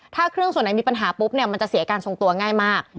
ถ้าเครื่องส่วนไหนมีปัญหาปุ๊บเนี่ยมันจะเสียการทรงตัวง่ายมาก